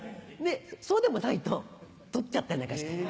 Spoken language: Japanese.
そうでもないと取っちゃったりなんかして。